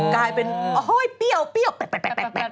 กลายเป็นโอ้โห้ยเปรี้ยวเปรี้ยวแปลก